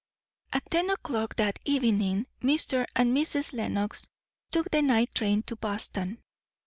At ten o'clock that evening Mr. and Mrs. Lenox took the night train to Boston.